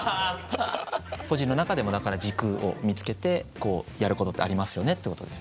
個人の中でもだから軸を見つけてこうやることってありますよねってことですよね。